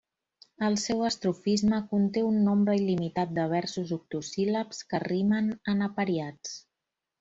El seu estrofisme conté un nombre il·limitat de versos octosíl·labs que rimen en apariats.